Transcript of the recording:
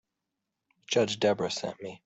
Judge Debra sent me.